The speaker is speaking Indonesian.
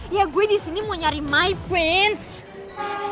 ya gue disini mau nyari my prince